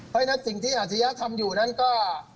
เพราะฉะนั้นสิ่งที่อาชญาทำอยู่นั้นก็